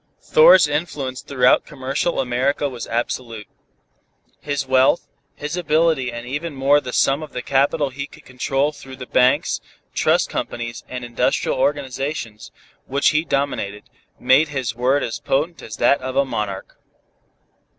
Thor's influence throughout commercial America was absolute. His wealth, his ability and even more the sum of the capital he could control through the banks, trust companies and industrial organizations, which he dominated, made his word as potent as that of a monarch.